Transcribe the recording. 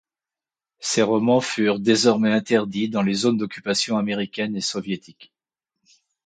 Ses romans furent désormais interdits dans les zones d'occupation américaines et soviétiques.